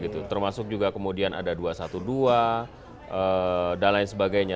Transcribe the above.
termasuk juga kemudian ada dua ratus dua belas dan lain sebagainya